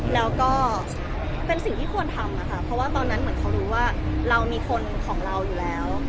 แล้วก็เป็นสิ่งที่ควรทำค่ะเพราะว่าตอนนั้นเหมือนเขารู้ว่าเรามีคนของเราอยู่แล้ว